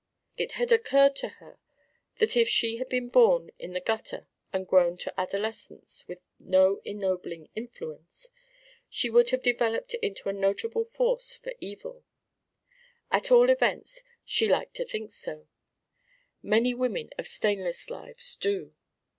It had occurred to her that if she had been born in the gutter and grown to adolescence with no ennobling influence, she would have developed into a notable force for evil. At all events, she liked to think so; many women of stainless lives do.